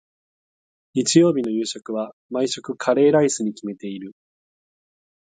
日曜日の夕食は、毎週カレーライスに決めている。